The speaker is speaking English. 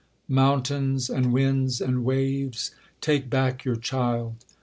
Mountains, and winds, and waves, take back your child!